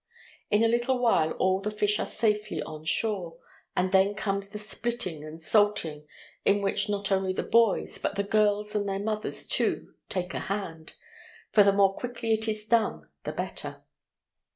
In a little while all the fish are safely on shore, and then comes the splitting and salting, in which not only the boys, but the girls and their mothers too, take a hand, for the more quickly it is done the better.